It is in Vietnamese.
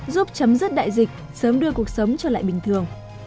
giúp chấm dứt đại dịch sớm đưa cuộc sống trở lại bình thường